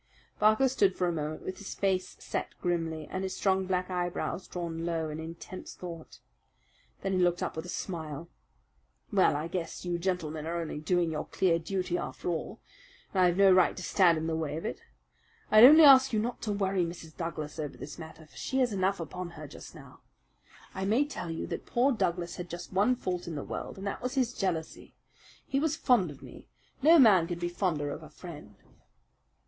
Barker stood for a moment with his face set grimly and his strong black eyebrows drawn low in intense thought. Then he looked up with a smile. "Well, I guess you gentlemen are only doing your clear duty after all, and I have no right to stand in the way of it. I'd only ask you not to worry Mrs. Douglas over this matter; for she has enough upon her just now. I may tell you that poor Douglas had just one fault in the world, and that was his jealousy. He was fond of me no man could be fonder of a friend.